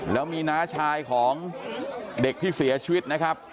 แล้วมีน้าชายของเด็กที่เสียชีวิตนะครับ